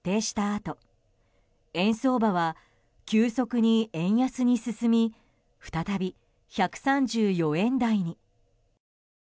あと円相場は急速に円安に進み再び１３４円台に。